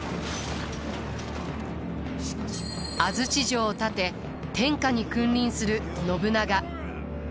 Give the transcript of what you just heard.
安土城を建て天下に君臨する信長。